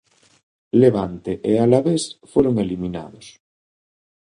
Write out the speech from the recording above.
Levante e Alavés foron eliminados.